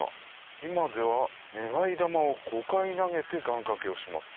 今では願玉を五回投げて願掛けをします。